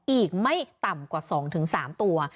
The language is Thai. อีกไม่ต่ำกว่า๒๓ตัว